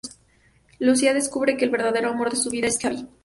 Lucía descubre que el verdadero amor de su vida es Javi.